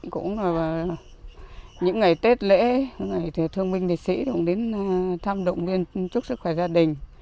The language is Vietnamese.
cũng là những ngày tết lễ thương binh liệt sĩ đồng đến tham động viên chúc sức khỏe gia đình